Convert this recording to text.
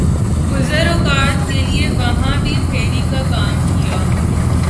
گزر اوقات کیلئے وہاں بھی پھیر ی کاکام کیا۔